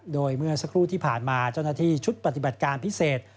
โดยเมื่อสักครู่ที่ผ่านมาเจ้าหน้าที่ชุดปฏิบัติการพิเศษ